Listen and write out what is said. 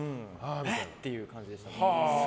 えっ！っていう感じでした。